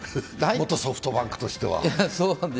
元ソフトバンクとしては。